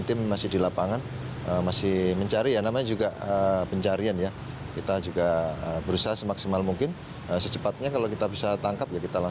identitas keempatnya sudah